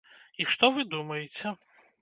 І што вы думаеце?